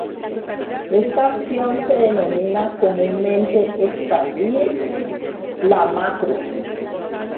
Esta acción se denomina comúnmente "expandir la macro".